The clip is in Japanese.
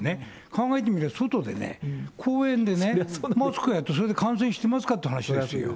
考えてみれば外でね、公園で、マスクやって、それで感染してますかって話ですよ。